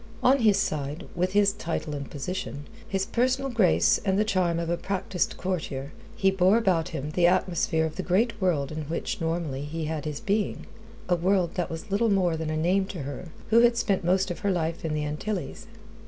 On his side, with his title and position, his personal grace and the charm of a practised courtier, he bore about him the atmosphere of the great world in which normally he had his being a world that was little more than a name to her, who had spent most of her life in the Antilles.